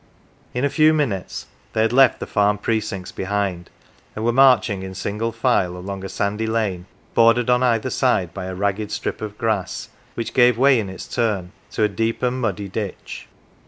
73 NANCY In a few minutes they had left the farm precincts behind, and were marching in single file along a sandy lane bordered on either side by a ragged strip of grass, which gave way in its turn to a deep and muddy ditch.